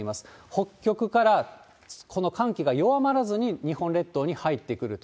北極からこの寒気が弱まらずに日本列島に入ってくると。